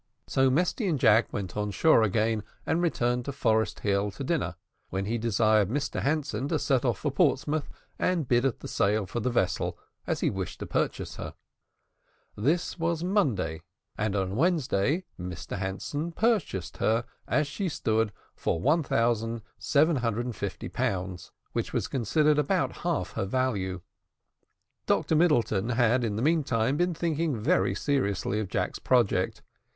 So Mesty and Jack went on shore again, and returned to Forest Hill to dinner, when he desired Mr Hanson to set off for Portsmouth, and bid at the sale for the vessel, as he wished to purchase her. This was Monday, and on Wednesday Mr Hanson purchased her, as she stood, for 1750 pounds, which was considered about half her value. Dr Middleton had, in the meantime, been thinking very seriously of Jack's project.